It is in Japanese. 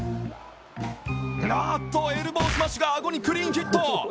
エルボースマッシュがあごにクリーンヒット。